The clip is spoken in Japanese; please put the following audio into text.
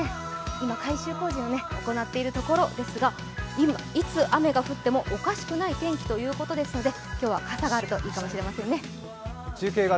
今、改修工事を行っているところですがいつ雨が降ってもおかしくない天気ということですので今日は傘があるといいかもしれませんね。